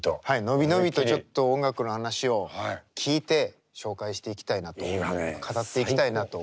伸び伸びとちょっと音楽の話を聞いて紹介していきたいなと語っていきたいなと思いますよ。